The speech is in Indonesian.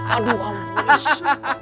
aduh ampun iya